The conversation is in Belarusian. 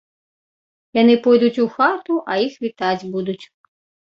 Яны пойдуць у хату, а іх вітаць будуць.